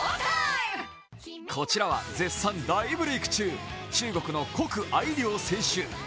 こちらは絶賛、大ブレーク中、中国のコク・アイリョウ選手。